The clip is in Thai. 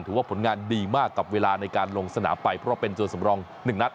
ถือว่าผลงานดีมากกับเวลาในการลงสนามไปเพราะเป็นตัวสำรอง๑นัด